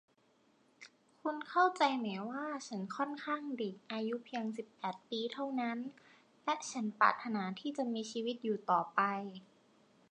คุณเข้าใจไหมว่าฉันค่อนข้างเด็ก อายุเพียงสิบแปดปีเท่านั้น และฉันปรารถนาที่จะมีชีวิตอยู่ต่อไป